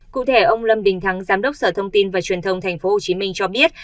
cụ thể ông lâm đình thắng giám đốc sở thông tin và truyền thông tp hcm cho biết